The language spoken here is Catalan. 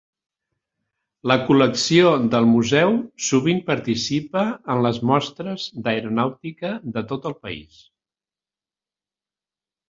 La col·lecció del museu sovint participa en les mostres d'aeronàutica de tot el país.